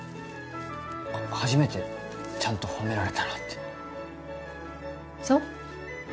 初めてちゃんと褒められたなってそう？